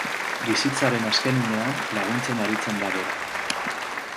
Bizitzaren azken unean laguntzen aritzen da bera.